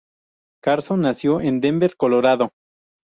Carson nació en Denver, Colorado.